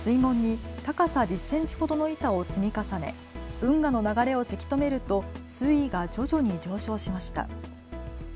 水門に高さ１０センチほどの板を積み重ね、運河の流れをせきとめると水位が徐々に上昇しました。